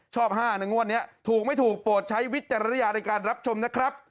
๕ในงวดนี้ถูกไม่ถูกโปรดใช้วิจารณญาในการรับชมนะครับ